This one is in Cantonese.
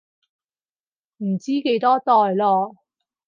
唔知幾多代囉